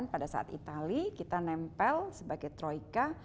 pada saat itali kita nempel sebagai troika